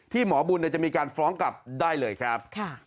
หมอบุญจะมีการฟ้องกลับได้เลยครับ